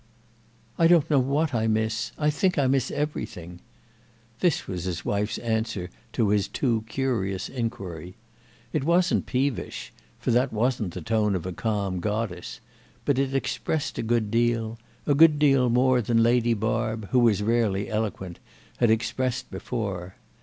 "I don't know what I miss. I think I miss everything!" This was his wife's answer to his too curious inquiry. It wasn't peevish, for that wasn't the tone of a calm goddess; but it expressed a good deal—a good deal more than Lady Barb, who was rarely eloquent, had expressed before.